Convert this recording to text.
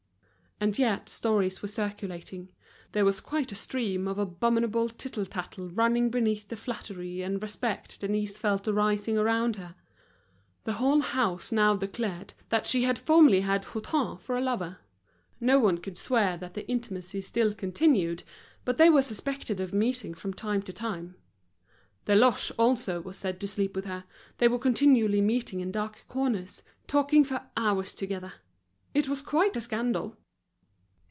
And yet stories were circulating, there was quite a stream of abominable tittle tattle running beneath the flattery and respect Denise felt arising around her. The whole house now declared that she had formerly had Hutin for a lover; no one could swear that the intimacy still continued, but they were suspected of meeting from time to time. Deloche also was said to sleep with her, they were continually meeting in dark corners, talking for hours together. It was quite a scandal!